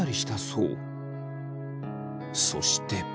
そして。